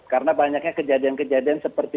karena banyaknya kejadian kejadian seperti